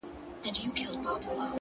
• شیطان په زور نیولی,